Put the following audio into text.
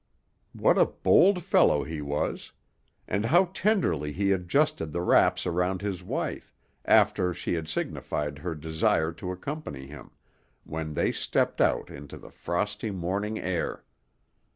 What a bold fellow he was! And how tenderly he adjusted the wraps around his wife, after she had signified her desire to accompany him, when they stepped out into the frosty morning air!